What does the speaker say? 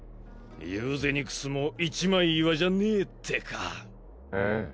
ユーゼニクスも一枚岩じゃねえってかええ